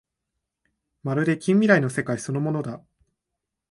まるで近未来の世界そのものだ